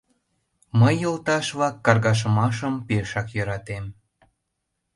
Мый, йолташ-влак, каргашымашым пешак йӧратем.